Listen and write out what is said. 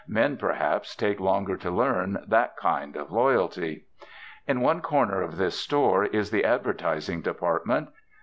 Men, perhaps, take longer to learn that kind of 'loyalty.' In one corner of this store is the advertising department.